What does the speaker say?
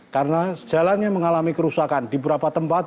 karena jalannya mengalami kerusakan di beberapa tempat